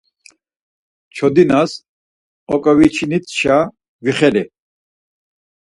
Çodinas oǩoviçinitşa vixeli.